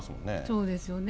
そうですよね。